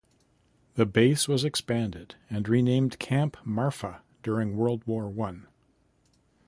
The base was expanded and renamed Camp Marfa during World War One.